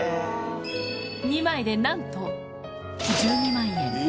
２枚でなんと、１２万円。